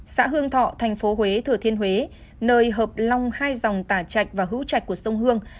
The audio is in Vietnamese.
xã hương thọ thành phố huế thừa thiên huế nơi hợp long hai dòng tả trạch và hữu trạch của sông hương